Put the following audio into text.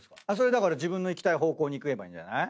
だから自分の行きたい方向に行けばいいんじゃない？